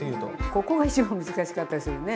ここが一番難しかったりするね。